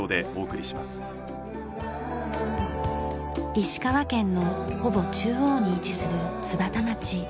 石川県のほぼ中央に位置する津幡町。